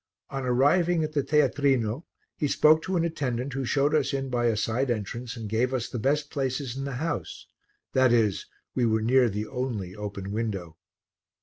On arriving at the teatrino, he spoke to an attendant who showed us in by a side entrance and gave us the best places in the house, that is, we were near the only open window.